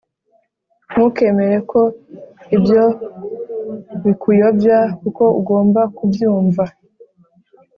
ntukemere ko ibyo bikuyobya kuko ugomba kubyumva.